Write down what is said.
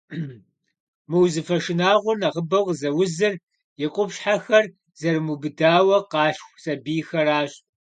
Мы узыфэ шынагъуэр нэхъыбэу къызэузыр и къупщхьэхэр зэрымубыдауэ къалъху сабийхэращ.